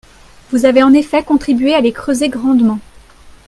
Vous avez en effet contribué à les creuser grandement.